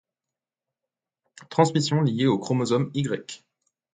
Transmission liée au chromosomeY.